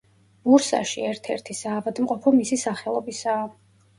ბურსაში ერთ-ერთი საავადმყოფო მისი სახელობისაა.